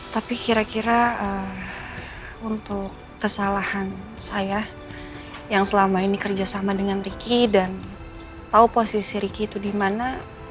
tapi kira kira untuk kesalahan saya yang selama ini kerja sama dengan ricky dan tau posisi ricky itu dimana